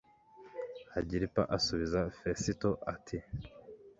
agiripa asubiza fesito ati